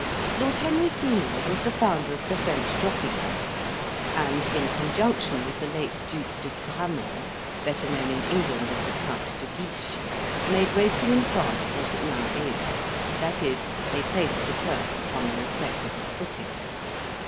Lord Henry Seymour was the founder of the French Jockey Club, and, in conjunction with the late Duke de Gramont (better known in England as the Count de Guiche), made racing in France what it now is: that is, they placed the turf upon a respectable footing.